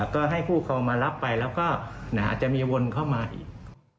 ก็ให้ผู้ครองมารับไปแล้วก็อาจจะมีวนเข้ามาอีก